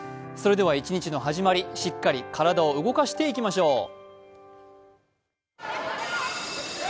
それでは一日の始まり、しっかり体を動かしていきましょう。